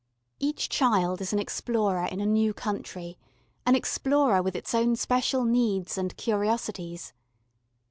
Each child is an explorer in a new country an explorer with its own special needs and curiosities.